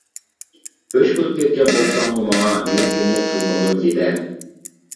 ئۆچ بولۇپ كەتكەن بولساڭمۇ ماڭا، يۈرىكىمنى قىلمىغىن زېدە.